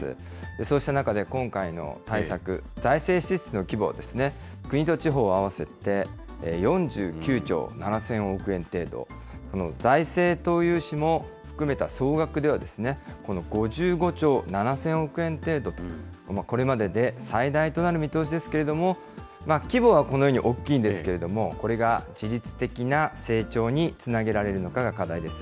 そうした中で、今回の対策、財政支出の規模を国と地方を合わせて、４９兆７０００億円程度、財政投融資も含めた総額では、この５５兆７０００億円程度と、これまでで最大となる見通しですけれども、規模はこのように大きいんですけど、これが自律的な成長につなげられるのかが課題です。